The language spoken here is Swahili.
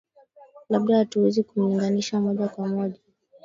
labda hatuwezi kumlinganisha moja kwa moja